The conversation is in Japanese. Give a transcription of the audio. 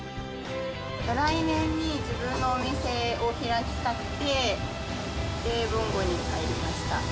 来年に自分のお店を開きたくて、ぼんごに入りました。